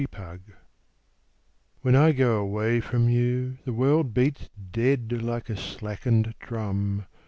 The Taxi When I go away from you The world beats dead Like a slackened drum.